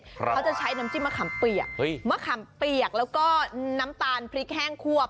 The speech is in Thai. หัวประเทศนะจ้ะ